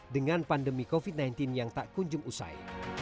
dengan pandemi covid sembilan belas yang tak kunjung usai